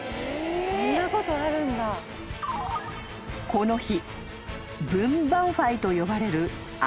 ［この日］